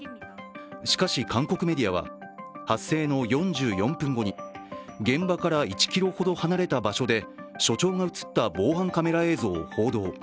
しかし、韓国メディアは発生の４４分後に現場から１ｋｍほど離れた場所で署長が映った防犯カメラ映像を報道。